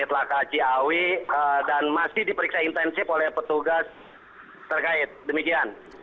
setelah kaji awi dan masih diperiksa intensif oleh petugas terkait demikian